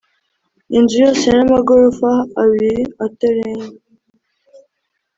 inzu yo hasi n amagorofa abiri atarenga